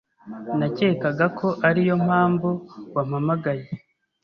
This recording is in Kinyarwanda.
Nakekaga ko ariyo mpamvu wampamagaye.